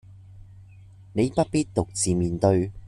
你不必獨自面對